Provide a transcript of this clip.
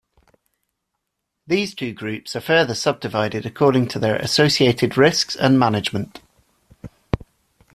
These two groups are further subdivided according to their associated risks and management.